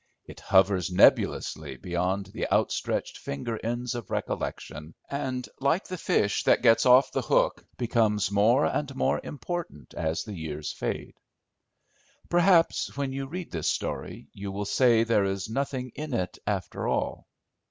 It hovers nebulously beyond the outstretched finger ends of recollection, and, like the fish that gets off the hook, becomes more and more important as the years fade. Perhaps, when you read this story, you will say there is nothing in it after all.